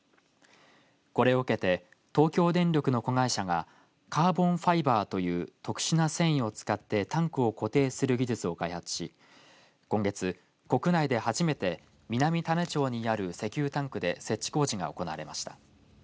これを受けて東京電力の子会社がカーボンファイバーという特殊な繊維を使ってタンクを固定する技術を開発し今月、国内で初めて南種子町にある石油タンクで設置工事が行われました。